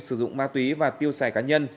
sử dụng ma túy và tiêu xài cá nhân